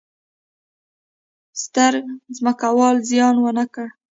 ستر ځمکوال زیان ونه کړي.